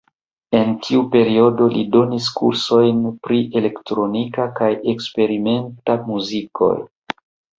En tiu periodo li donis kursojn pri elektronika kaj eksperimenta muzikoj.